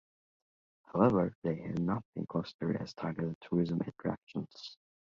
However, they have not been considered as targeted tourism attractions.